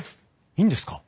いいんですか？